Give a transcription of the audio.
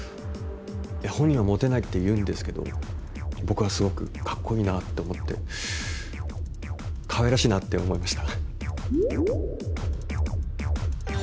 本人はモテないって言うんですけど僕はすごくカッコイイなって思って可愛らしいなって思いました。